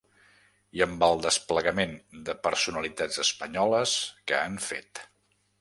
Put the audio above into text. I amb el desplegament de personalitats espanyoles que han fet.